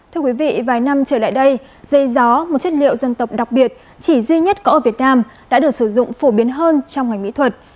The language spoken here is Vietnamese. thưa quý vị vài năm trở lại đây dây gió một chất liệu dân tộc đặc biệt chỉ duy nhất có ở việt nam đã được sử dụng phổ biến hơn trong ngành mỹ thuật